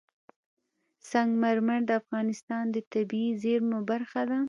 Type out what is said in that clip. سنگ مرمر د افغانستان د طبیعي زیرمو برخه ده.